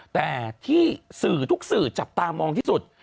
แต่ที่สื่อทุกสื่อจับตามองที่สุด